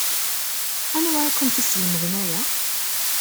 Anwa i kent-yeslemden aya?